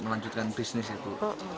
untuk melanjutkan bisnis itu